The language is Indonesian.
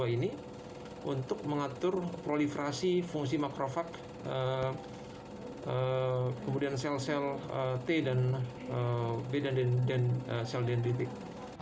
ini untuk mengatur proliferasi fungsi makrofak kemudian sel sel t dan b dan sel dendritik